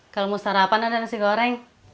kalau mau sarapan ada nasi goreng